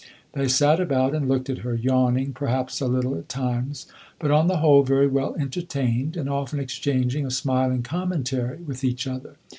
They sat about and looked at her yawning, perhaps, a little at times, but on the whole very well entertained, and often exchanging a smiling commentary with each other.